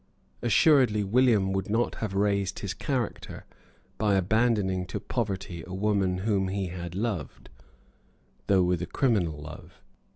Assuredly William would not have raised his character by abandoning to poverty a woman whom he had loved, though with a criminal love.